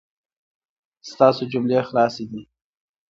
ستاسو جملې خلاصې دي